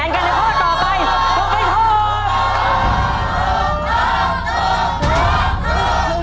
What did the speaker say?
ถูกถูกถูกถูก